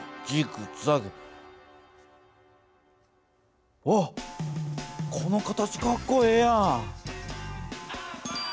この形かっこええやん！